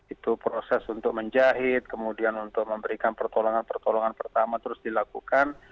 itu proses untuk menjahit kemudian untuk memberikan pertolongan pertolongan pertama terus dilakukan